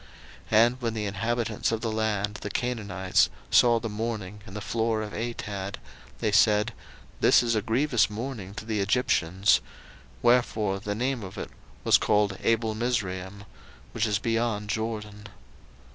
01:050:011 And when the inhabitants of the land, the Canaanites, saw the mourning in the floor of Atad, they said, This is a grievous mourning to the Egyptians: wherefore the name of it was called Abelmizraim, which is beyond Jordan.